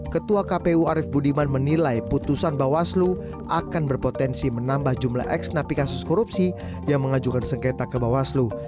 ketua kpu arief budiman menilai putusan bawaslu akan berpotensi menambah jumlah ex napi kasus korupsi yang mengajukan sengketa ke bawaslu